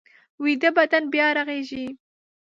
ویده بدن بیا رغېږي